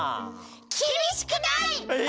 きびしくない！え！？